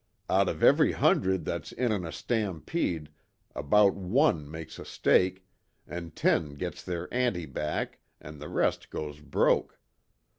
Out of every hundred that's in on a stampede, about one makes a stake, an' ten gets their ante back, an' the rest goes broke.